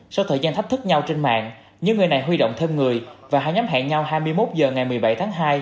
sau thời gian thách thức nhau trên mạng những người này huy động thêm người và hai nhóm hẹn nhau hai mươi một h ngày một mươi bảy tháng hai